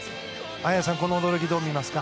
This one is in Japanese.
綾さん、この泳ぎどう見ますか。